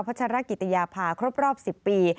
พระชรกิตยภาพครบ๑๐ปี